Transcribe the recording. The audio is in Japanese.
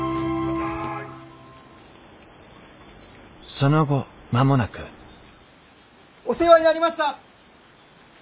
その後間もなくお世話になりました！